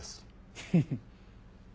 フフ。